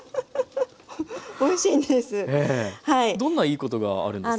おいしいんです。